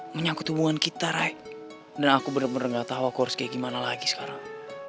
menyakut hubungan kita rai dan aku bener bener gak tahu aku harus kayak gimana lagi sekarang